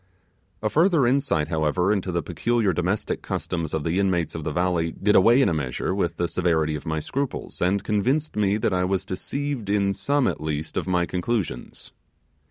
A further insight, however, into the peculiar domestic customs of the inmates of the valley did away in a measure with the severity of my scruples, and convinced me that I was deceived in some at least of my conclusions.